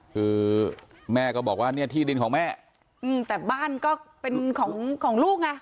คือแม่ก็บอกว่าเนี่ยที่ดินของแม่อืมแต่บ้านก็เป็นของของลูกไง